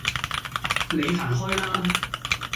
你行開啦